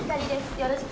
よろしく。